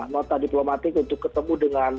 nota diplomatik untuk ketemu dengan